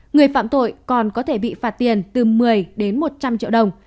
người phạm tội còn có thể bị phạt tiền từ một mươi đến một trăm linh triệu đồng